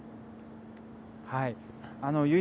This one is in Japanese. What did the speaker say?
はい。